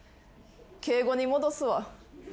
敬語に戻すわ。